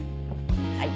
はい。